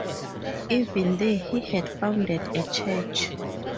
Even there he had founded a church.